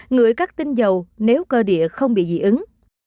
ngửi các tinh dầu nếu cơ địa không bị dị ứng